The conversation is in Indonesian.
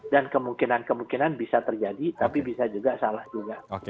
dan kemungkinan kemungkinan bisa terjadi tapi bisa juga salah juga